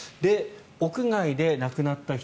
屋外で亡くなった人